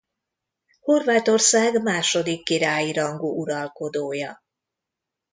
Horvátország második királyi rangú uralkodója.